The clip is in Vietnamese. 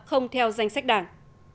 không theo danh sách đảng